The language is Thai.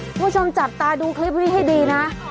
คุณผู้ชมจับตาดูคลิปนี้ให้ดีนะ